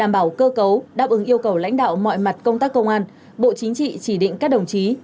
bộ chính trị chỉ định các đồng chí